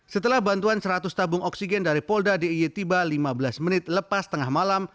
setelah bantuan seratus tabung oksigen dari polda d i e tiba lima belas menit lepas tengah malam